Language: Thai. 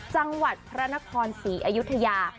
จังหวัดพระนครศรีอยุธยา